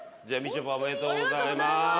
じゃあみちょぱおめでとうございます。